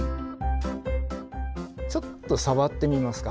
ちょっと触ってみますか？